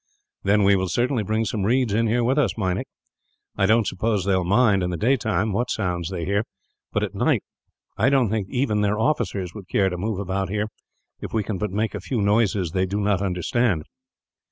"Then we will certainly bring some reeds in here with us, Meinik. I don't suppose they will mind, in the daytime, what sounds they hear; but at night I don't think even their officers would care to move about here, if we can but make a few noises they do not understand.